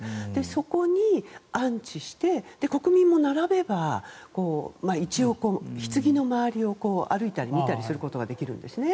そこに安置して国民も並べば、ひつぎの周りを歩いたり、見たりすることができるんですね。